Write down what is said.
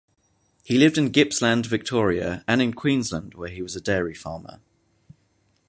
He lived in Gippsland, Victoria and in Queensland where he was a dairy farmer.